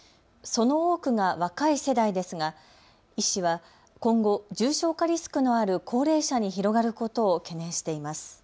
その多くが若い世代ですが医師は今後、重症化リスクのある高齢者に広がることを懸念しています。